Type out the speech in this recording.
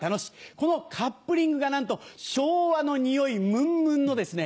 このカップリングがなんと昭和のにおいむんむんのですね